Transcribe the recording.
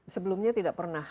sebelumnya tidak pernah